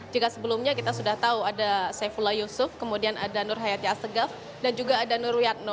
jika sebelumnya kita sudah tahu ada saifullah yusuf kemudian ada nur hayati astegaf dan juga ada nur wiyatno